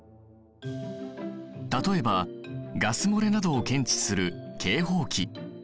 例えばガス漏れなどを検知する警報器。